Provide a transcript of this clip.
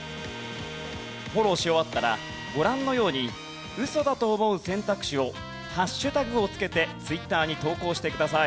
フォローし終わったらご覧のようにウソだと思う選択肢を＃を付けてツイッターに投稿してください。